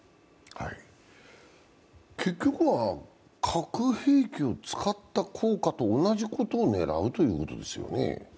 結局は核兵器を使った効果と同じことを狙うということですよね。